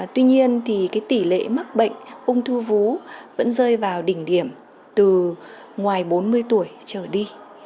tuy nhiên thì tỷ lệ mắc bệnh ung thư vú vẫn rơi vào đỉnh điểm từ ngoài bốn mươi tuổi trở đi